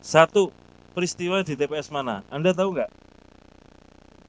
satu peristiwa di tps mana anda tahu nggak